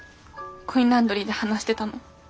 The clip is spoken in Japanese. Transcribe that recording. コインランドリーで話してたの。